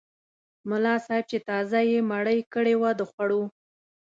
ملا صاحب چې تازه یې مړۍ کړې وه د خوړو.